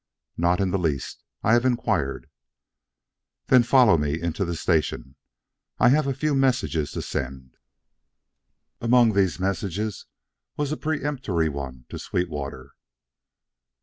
"None in the least. I have inquired." "Then follow me into the station. I have a few messages to send." Among these messages was a peremptory one to Sweetwater.